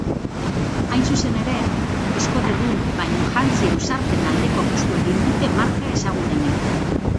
Hain zuzen ere, eskotedun bainujantzi ausarten aldeko apustua egin dute marka ezagunenek.